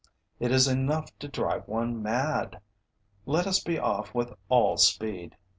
It is enough to drive one mad. Let us be off with all speed.